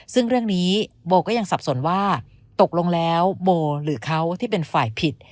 ซึ่งเรื่องนี้โบก็ยังสับสนว่าตกลงแล้วโบหรือเขาที่เป็นฝ่ายผิด